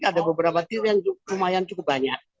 ada beberapa teo yang lumayan cukup banyak